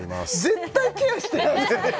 絶対ケアしてないじゃん！